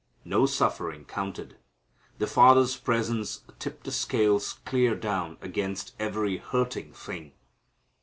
No suffering counted. The Father's presence tipped the scales clear down against every hurting thing.